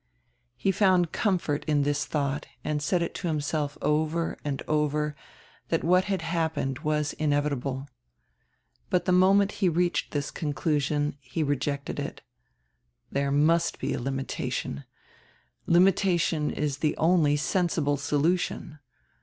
He found comfort in this diought and said to himself over and over diat what had happened was inevit able. But die moment he reached this conclusion he re jected it. "There must be a limitation; limitation is die only sensible solution.